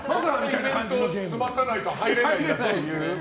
イベント済まさないと入れない。